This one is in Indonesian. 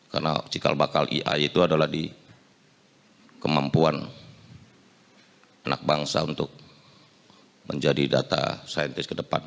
karena cikal bakal ia itu adalah di kemampuan anak bangsa untuk menjadi data saintis ke depan